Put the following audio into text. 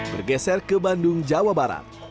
bergeser ke bandung jawa barat